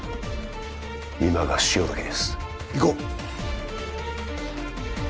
今が潮時です行こう！